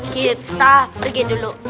kita pergi dulu